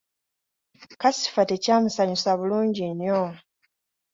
Kasifa tekyamusanyusa bulungi nnyo.